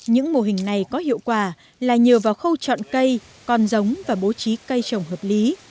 những mô hình này có hiệu quả là nhờ vào khâu chọn cây con giống và bố trí cây trồng hợp lý